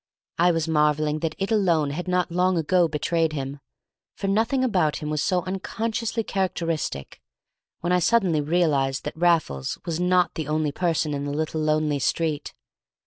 I was marvelling that it alone had not long ago betrayed him, for nothing about him was so unconsciously characteristic, when suddenly I realized that Raffles was not the only person in the little lonely street.